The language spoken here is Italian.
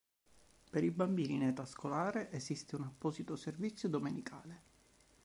Per i bambini in età scolare esiste un apposito servizio domenicale.